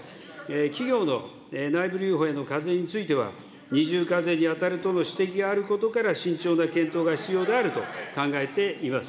企業の内部留保への課税については、二重課税に当たるとの指摘があることから、慎重な検討が必要であると考えています。